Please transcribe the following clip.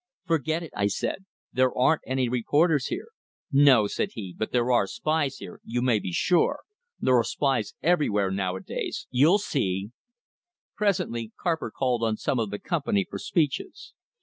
"Forget it!" I said. "There aren't any reporters here." "No," said he, "but there are spies here, you may be sure. There are spies everywhere, nowadays. You'll see!" Presently Carpenter called on some of the company for speeches.